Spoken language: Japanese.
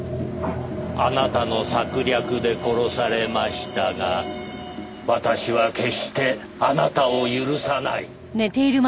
「あなたの策略で殺されましたが私は決してあなたを許さない」